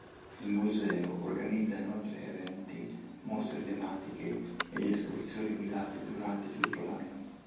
Il museo organizza inoltre eventi, mostre tematiche ed escursioni guidata durante tutto l'anno.